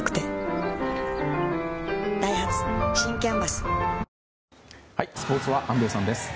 スポーツは安藤さんです。